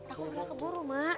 aku udah keburu mak